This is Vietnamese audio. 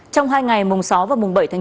trong hai ngày mùng sáu và mùng bảy tháng chín